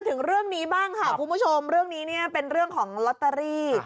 ถึงเรื่องนี้บ้างค่ะคุณผู้ชมเรื่องนี้เนี่ยเป็นเรื่องของลอตเตอรี่